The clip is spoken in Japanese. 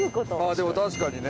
でも確かにね。